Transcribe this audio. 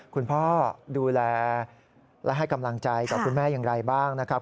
คุณพ่อดูแลและให้กำลังใจกับคุณแม่อย่างไรบ้างนะครับ